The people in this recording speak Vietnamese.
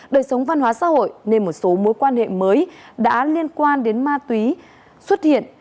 đời sống văn hóa xã hội nên một số mối quan hệ mới đã liên quan đến ma túy xuất hiện